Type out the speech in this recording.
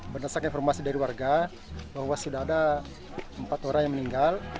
berdasarkan informasi dari warga bahwa sudah ada empat orang yang meninggal